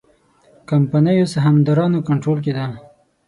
کمپنیو سهامدارانو کنټرول کې ده.